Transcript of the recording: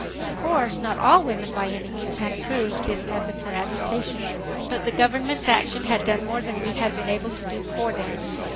Of course not all women by any means had approved this method of agitation. But the government's action had done more than we had been able to do for them.